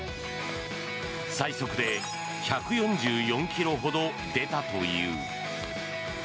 最速で１４４ｋｍほど出たという。